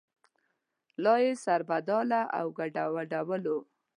لا یې سربداله او ګډوډولو.